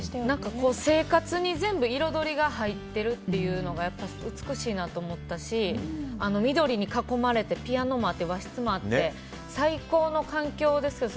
生活に全部彩りが入ってるっていうのが美しいなと思ったし緑に囲まれてピアノもあって和室もあって最高の環境ですけど。